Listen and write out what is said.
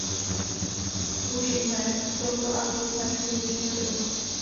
Učiňme z tohoto aktu značku vnitřního trhu!